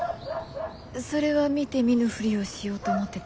それは見て見ぬふりをしようと思ってたんだけど。